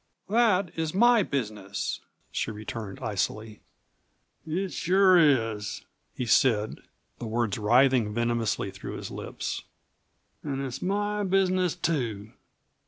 "That is my business," she returned icily. "It sure is," he said, the words writhing venomously through his lips. "An' it's my business too.